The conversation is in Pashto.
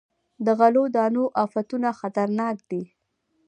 د غلو دانو افتونه خطرناک دي.